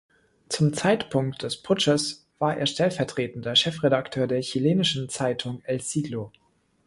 Zum Zeitpunkt des Putsches war er stellvertretender Chefredakteur der chilenischen Zeitung "El Siglo".